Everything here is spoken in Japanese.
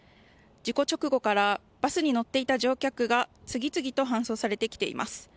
事故直後からバスに乗っていた乗客が次々と搬送されてきています。